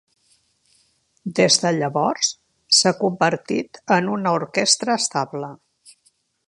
Des de llavors s'ha convertit en una orquestra estable.